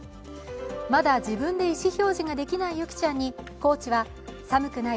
まだ自分で意思表示ができないヨキちゃんにコーチは、寒くない？